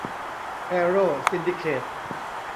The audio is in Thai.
แอร์โรว์ ซินดิเคท